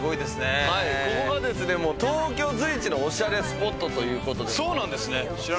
ここが東京随一のおしゃれスポットということで。